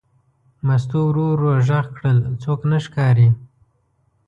مستو ورو ور غږ کړل: څوک نه ښکاري.